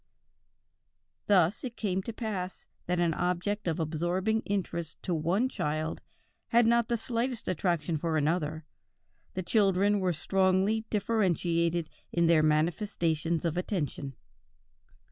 "Thus it came to pass that an object of absorbing interest to one child had not the slightest attraction for another; the children were strongly differentiated in their manifestations of attention...."